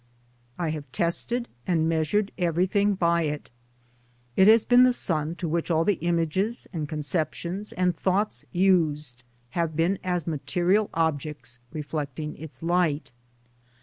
I have tested and measured every thing by it ; it has been the sun to which all the images and conceptions and thoughts used have been as material objects reflecting its light.